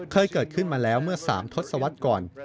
เคยเกิดขึ้นมาแล้วเมื่อ๓ทศวรรษก่อน